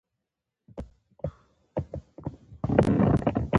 فیوډالانو د بزګرانو د ټولو محصولاتو دعوه کوله